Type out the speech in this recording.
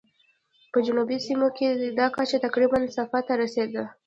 په جنوبي سیمو کې دا کچه تقریباً صفر ته رسېده.